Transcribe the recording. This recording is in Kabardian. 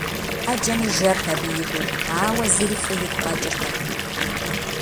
Ӏэджэми жэрт абы и гур, ауэ зыри фӏы игу къэкӏыртэкъым.